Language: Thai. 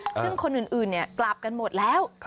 ซึ่งคนอื่นกลับกันหมดแล้ว